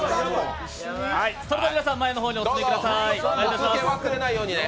皆さん前の方にお進みください。